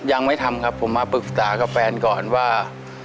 ยังไม่ทำครับผมมาปรึกษากับแฟนก่อนว่า